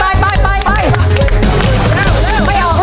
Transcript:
อ้ะออกแล้วกุญแจให้แสงนะครับ